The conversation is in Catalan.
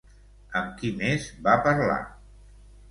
Amb qui més va parlar?